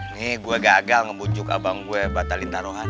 nih gua gagal ngebujuk abang gua batalin taruhan